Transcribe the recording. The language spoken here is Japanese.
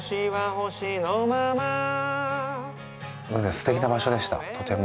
すてきな場所でしたとても。